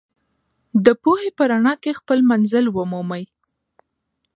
د پوهې په رڼا کې خپل منزل ومومئ.